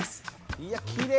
いやきれい！